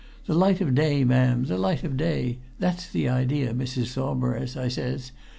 The light of day, ma'am, the light of day! that's the idea, Mrs. Saumarez!' I says.